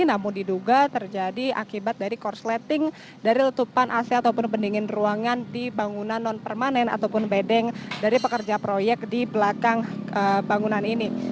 namun diduga terjadi akibat dari korsleting dari letupan ac ataupun pendingin ruangan di bangunan non permanen ataupun bedeng dari pekerja proyek di belakang bangunan ini